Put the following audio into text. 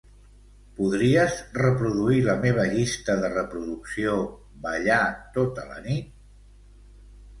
Podries reproduir la meva llista de reproducció "ballar tota la nit"?